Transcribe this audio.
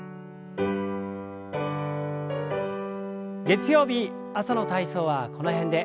月曜日朝の体操はこの辺で。